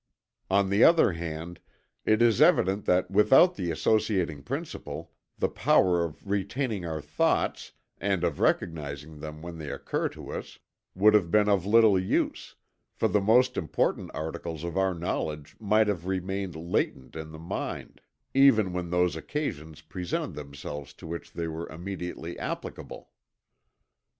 On the other hand, it is evident that without the associating principle, the power of retaining our thoughts, and of recognizing them when they occur to us, would have been of little use; for the most important articles of our knowledge might have remained latent in the mind, even when those occasions presented themselves to which they were immediately applicable."